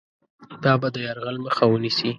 دا به د یرغل مخه ونیسي.